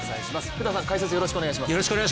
福田さん、解説よろしくお願いします。